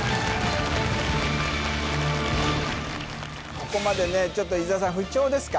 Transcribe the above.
ここまでねちょっと伊沢さん不調ですか？